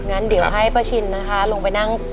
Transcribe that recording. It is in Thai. งั้นเดี๋ยวให้ป้าชินนะคะลงไปนั่ง